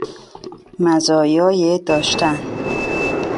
مزایای داشتن